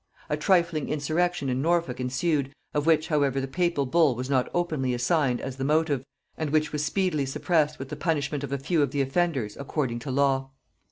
A trifling insurrection in Norfolk ensued, of which however the papal bull was not openly assigned as the motive, and which was speedily suppressed with the punishment of a few of the offenders according to law.